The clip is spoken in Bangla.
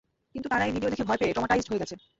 কিন্তু তারা এই ভিডিও দেখে ভয় পেয়ে ট্রমাটাইজড হয়ে গেছে!